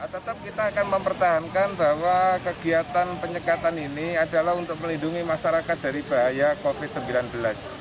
tetap kita akan mempertahankan bahwa kegiatan penyekatan ini adalah untuk melindungi masyarakat dari bahaya covid sembilan belas